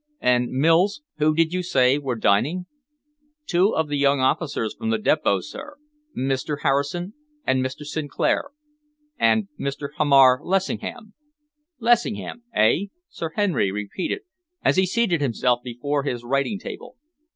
And, Mills, who did you say were dining?" "Two of the young officers from the Depot, sir Mr. Harrison and Mr. Sinclair and Mr. Hamar Lessingham." "Lessingham, eh?" Sir Henry repeated, as he seated himself before his writing table.